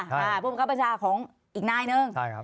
ผู้บังคับบัญชาของอีกหน้ายนึง